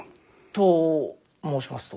と申しますと？